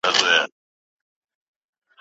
فنلنډ يې د خپل قيموميت لاندې ونيوه.